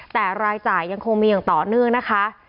แต่รายจ่ายยังคงมีอย่างต่อไปนะครับ